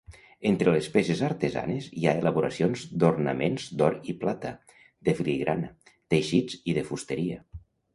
Entre les peces artesanes, hi ha elaboracions d'ornaments d'or i plata, de filigrana, teixits i de fusteria.